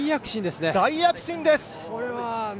大躍進ですね。